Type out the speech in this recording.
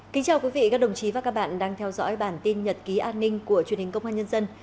chào mừng quý vị đến với bản tin nhật ký an ninh của truyền hình công an nhân dân